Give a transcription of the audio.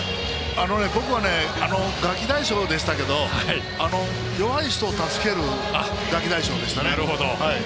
僕はガキ大将でしたけど弱い人を助けるガキ大将でしたね。